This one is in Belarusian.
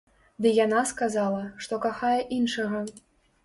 Ды яна сказала, што кахае іншага.